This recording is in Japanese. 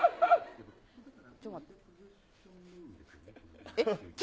ちょっと待って。